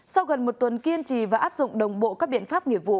sau gần một tuần kiên trì và áp dụng đồng bộ các biện pháp nghiệp vụ